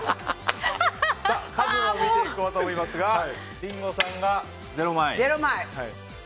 数を見ていこうと思いますがリンゴさんが０枚。